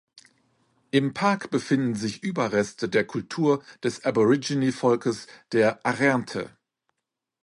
Im Park befinden sich Überreste der Kultur des Aborigine-Volkes der "Arrernte".